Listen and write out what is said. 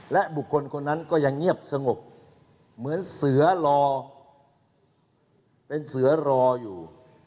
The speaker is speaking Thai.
และบุคคลคนนั้นก็ยังเงียบสงบเหมือนเสือรอเป็นเสือรออยู่